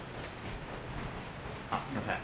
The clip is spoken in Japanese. あっすいません。